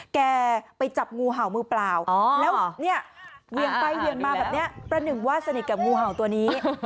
แกไปจับงูเห่ามือเปล่าแล้วเนี่ยเวียงไปเวียงมาแบบนี้ประหนึ่งว่าสนิทกับงูเห่าตัวนี้